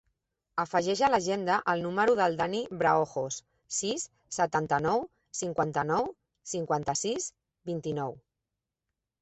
Afegeix a l'agenda el número del Dani Braojos: sis, setanta-nou, cinquanta-nou, cinquanta-sis, vint-i-nou.